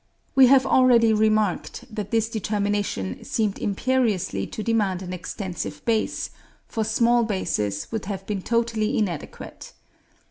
We have already remarked that this determination seemed imperiously to demand an extensive base, for small bases would have been totally inadequate.